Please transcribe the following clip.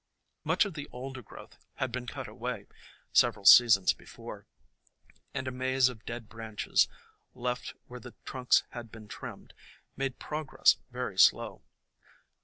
Much of the older growth had been cut away several seasons before, and a maze of dead branches, left where the trunks had been trimmed, made progress very slow.